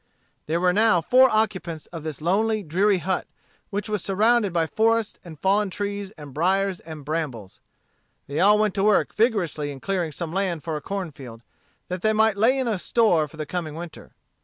There were now four occupants of this lonely, dreary hut, which was surrounded by forests and fallen trees and briers and brambles. They all went to work vigorously in clearing some land for a corn field, that they might lay in a store for the coming winter.